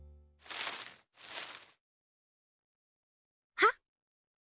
はっ。